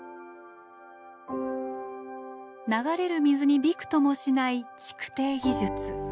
流れる水にびくともしない築堤技術。